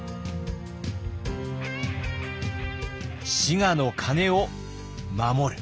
滋賀の鐘を守る。